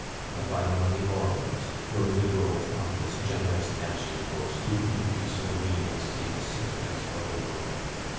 but by the money borrowers, your liberal, thoughtless, generous, dashing folks, who wouldn't be so mean as save a sixpence for the world!